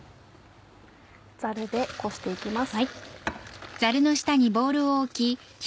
ザルでこして行きます。